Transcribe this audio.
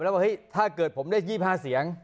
ว่าเฮ้ยถ้าเกิดผมได้๒๕เสียง